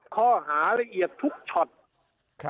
ข้อหาละเอียดทุกช็อต